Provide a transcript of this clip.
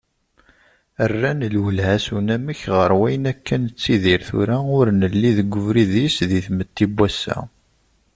Rran lwelha s unamek ɣer wayen akka nettidir tura ur nelli deg ubrid-is di tmetti n wass-a.